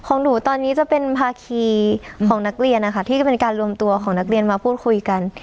ของหนูตอนนี้จะเป็นภาคีของนักเรียนนะคะที่เป็นการรวมตัวของนักเรียนมาพูดคุยกัน